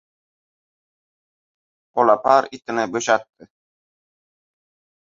Olapar itini bo‘shatdi.